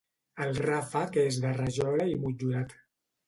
El ràfec és de rajola i motllurat.